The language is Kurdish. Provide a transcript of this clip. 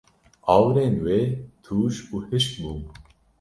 Awirên wê tûj û hişk bûn.